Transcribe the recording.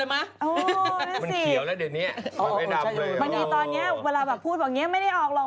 มานี่ตอนนี้ก็พูดดั่งนี้ไม่ได้ออกหรอก